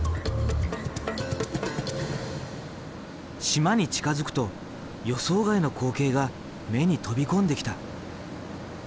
島に近づくと予想外の光景が目に飛び込んできた。